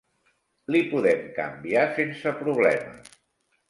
Li podem canviar sense problemes.